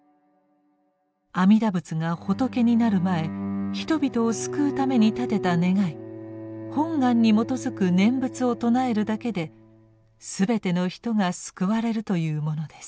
阿弥陀仏が仏になる前人々を救うために立てた願い「本願」に基づく念仏を称えるだけで全ての人が救われるというものです。